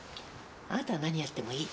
あなたは何やってもいい。